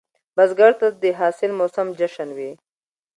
بزګر ته د حاصل موسم جشن وي